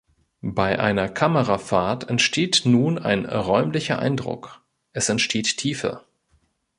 Bei einer Kamerafahrt entsteht nun ein räumlicher Eindruck, es entsteht Tiefe.